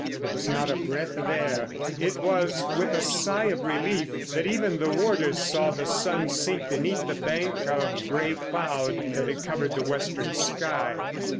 There was not a breath of air. It was with a sigh of relief that even the warders saw the sun sink beneath the bank of grey cloud that had covered the western sky.